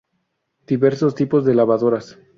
Diversos tipos de Lavadoras.